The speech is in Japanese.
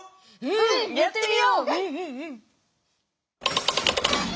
うんやってみよう！